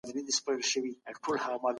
د ملي ګټو ضد درېدل لويه تېروتنه ده.